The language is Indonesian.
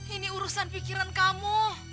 ini urusan pikiran kamu